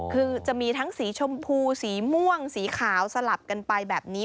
คือจะมีทั้งสีชมพูสีม่วงสีขาวสลับกันไปแบบนี้